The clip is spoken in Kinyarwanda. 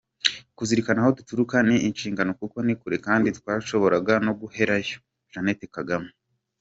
Kuzirikana aho duturuka ni inshingano kuko ni kure kandi twashoboraga no guherayo” Jeannette Kagame.